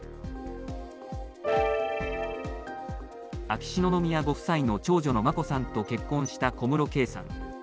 秋篠宮ご夫妻の長女の眞子さんと結婚した小室圭さん。